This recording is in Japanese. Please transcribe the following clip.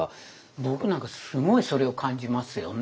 僕なんかすごいそれを感じますよね。